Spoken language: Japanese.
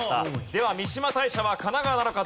では三嶋大社は神奈川なのか？